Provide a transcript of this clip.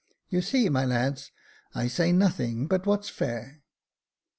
You see, my lads, I say nothing but what's fair."